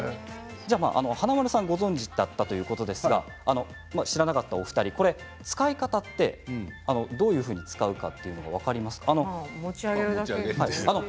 華丸さんご存じだったということで知らなかったお二人使い方はどういうふうに使うかというの分かりますか？